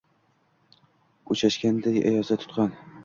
Oʼchashganday ayozda tuqqan.